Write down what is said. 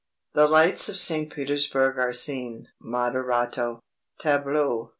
The lights of St. Petersburg are seen (Moderato). "TABLEAU III.